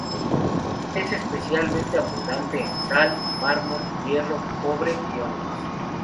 Es especialmente abundante en sal, mármol, hierro, cobre y ónix.